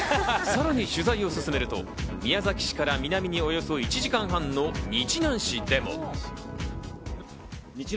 さらに取材を進めると、宮崎市から南におよそ１時間半の日南市でも。